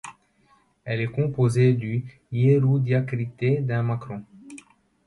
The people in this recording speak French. Elle est composée du yérou diacrité d’un macron.